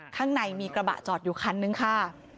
ข้างในมีกระบะจอดอยู่คันนึงค่ะ